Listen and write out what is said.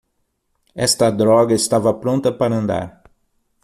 Esta droga estava pronta para andar.